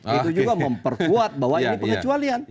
itu juga memperkuat bahwa ini pengecualian